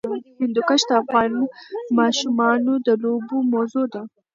هندوکش د افغان ماشومانو د لوبو موضوع ده.